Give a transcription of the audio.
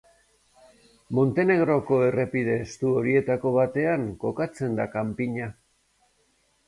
Montenegroko errepide hestu horietako batean kokatzen da kanpina.